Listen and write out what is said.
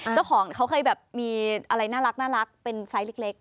เจ้าของเขาเคยแบบมีอะไรน่ารักเป็นไซส์เล็ก